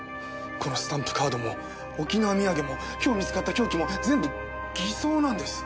このスタンプカードも沖縄土産も今日見つかった凶器も全部偽装なんです！